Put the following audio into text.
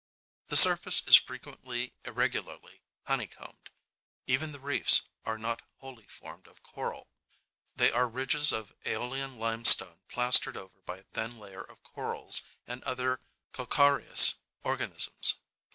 The surface is frequently irregularly honeycombed. Even the reefs are not wholly formed of coral. They are ridges of aeolian limestone plastered over by a thin layer of corals and other calcareous organisms.